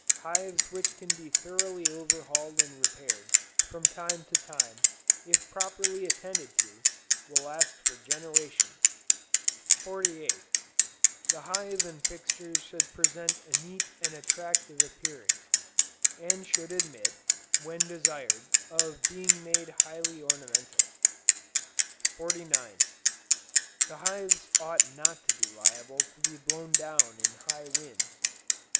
Hives which can be thoroughly overhauled and repaired, from time to time, if properly attended to, will last for generations. 48. The hive and fixtures should present a neat and attractive appearance, and should admit, when desired, of being made highly ornamental. 49. The hives ought not to be liable to be blown down in high winds.